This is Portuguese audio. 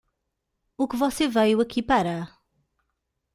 O que você veio aqui para?